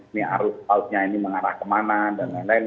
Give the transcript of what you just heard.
ini arus lautnya ini mengarah kemana dan lain lain